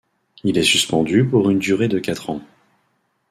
Il est suspendu pour une durée de quatre ans.